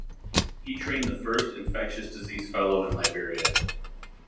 He trained the first infectious disease fellow in Liberia.